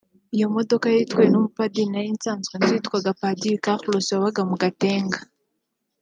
Iyo modoka yari itwawe n’umupadiri nari nsanzwe nzi witwaga Padiri Carlos wabaga mu Gatenga